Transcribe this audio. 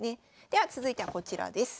では続いてはこちらです。